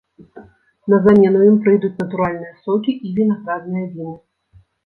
На замену ім прыйдуць натуральныя сокі і вінаградныя віны.